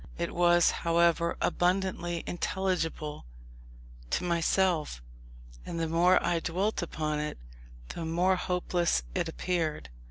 It was, however, abundantly intelligible to myself; and the more I dwelt upon it, the more hopeless it appeared.